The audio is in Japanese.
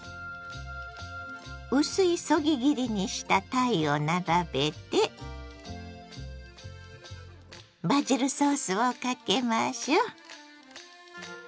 薄いそぎ切りにしたたいを並べてバジルソースをかけましょう！